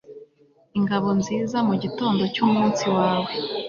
ingabo nziza, mugitondo cyumunsi wawe